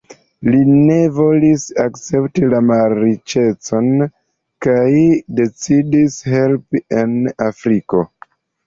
Li ne volis akcepti la malriĉecon kaj decidis helpi en Afriko.